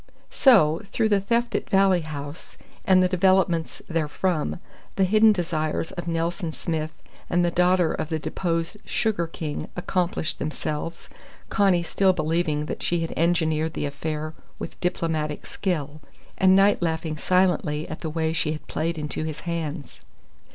So, through the theft at Valley House and the developments therefrom, the hidden desires of Nelson Smith and the daughter of the deposed Sugar King accomplished themselves, Connie still believing that she had engineered the affair with diplomatic skill, and Knight laughing silently at the way she had played into his hands.